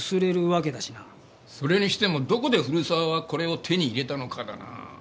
それにしてもどこで古沢はこれを手に入れたのかだな。